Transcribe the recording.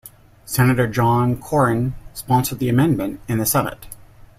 Senator John Cornyn sponsored the amendment in the Senate.